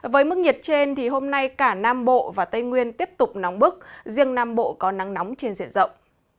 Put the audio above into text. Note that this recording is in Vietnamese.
với mức nhiệt trên thì hôm nay cả nam bộ và tây nguyên tiếp tục nóng bức riêng nam bộ có nắng nóng trên diện rộng